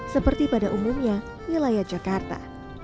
seperti pada umumnya wilayah jakarta